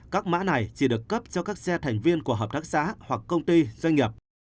các mã này chỉ được cấp cho các xe thành viên của hợp tác xã hoặc công ty doanh nghiệp